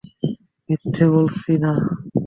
মিথ্যে বলছি না।